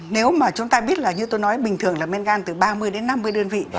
nếu mà chúng ta biết là như tôi nói bình thường là men gan từ ba mươi đến năm mươi đơn vị